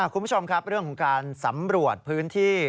คุณผู้ชมครับเรื่องของการสำรวจพื้นที่